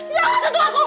jangan jangan aku tolong